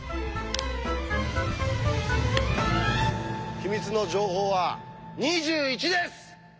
秘密の情報は２１です！